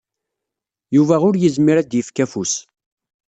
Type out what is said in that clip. Yuba ur yezmir ad d-yefk afus.